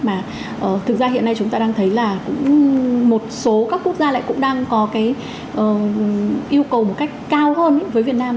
mà thực ra hiện nay chúng ta đang thấy là cũng một số các quốc gia lại cũng đang có cái yêu cầu một cách cao hơn với việt nam